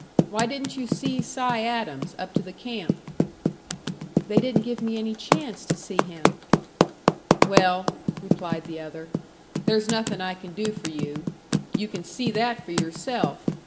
Why didn't you see Si Adams, up to the camp?" "They didn't give me any chance to see him." "Well," replied the other, "there's nothing I can do for you. You can see that for yourself.